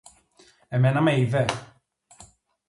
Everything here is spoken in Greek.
Εμένα με είδε;